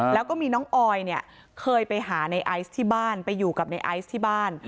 แล้วก็มีน้องออยเนี่ยเคยไปหาในไอซ์ที่บ้านไปอยู่กับในไอซ์ที่บ้าน